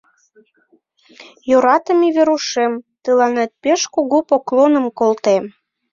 «Йӧратыме Верушем, тыланет пеш кугу поклоным колтем.